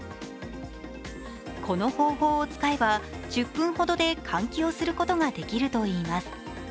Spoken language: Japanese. この方法を使えば、１０分ほどで換気をすることができるといいます。